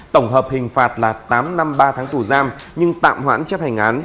tổng hợp hình phạt là tám năm ba tháng tù giam nhưng tạm hoãn chấp hành án